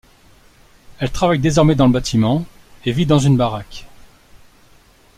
Elle travaille désormais dans le bâtiment et vit dans une baraque.